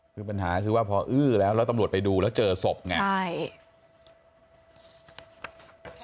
คือปัญหาคือว่าพออื้อแล้วแล้วตำรวจไปดูแล้วเจอศพไงใช่